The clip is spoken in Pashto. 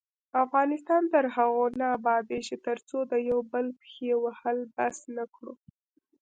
افغانستان تر هغو نه ابادیږي، ترڅو د یو بل پښې وهل بس نکړو.